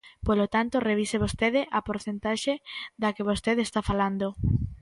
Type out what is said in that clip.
Polo tanto, revise vostede a porcentaxe da que vostede está falando.